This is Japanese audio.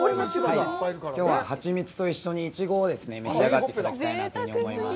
きょうはハチミツと一緒にイチゴを召し上がっていただきたいなと思います。